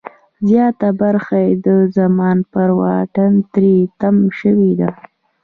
زیاته برخه یې د زمان پر واټ تری تم شوې ده.